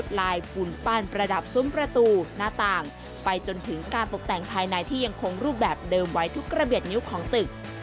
ลายปูนปั้นประดับซุ้มประตูหน้าต่างไปจนถึงการตกแต่งภายในที่ยังคงรูปแบบเดิมไว้ทุกระเบียดนิ้วของตึก